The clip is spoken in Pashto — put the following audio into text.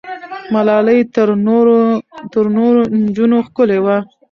ملالۍ تر نورو نجونو ښکلې وه.